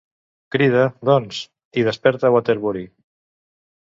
Crida, doncs, i desperta Waterbury.